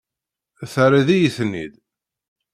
Terriḍ-iyi-ten-id.